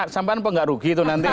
sampai apa tidak rugi itu nanti